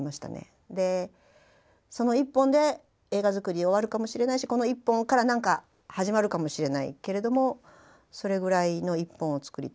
その１本で映画作り終わるかもしれないしこの１本から始まるかもしれないけれどもそれぐらいの１本を作りたいと思いました。